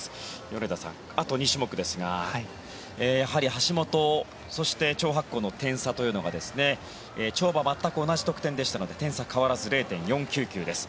米田さん、あと２種目ですがやはり橋本そしてチョウ・ハクコウの点差というのが跳馬、全く同じ得点でしたので点差は変わらず０．４９９です。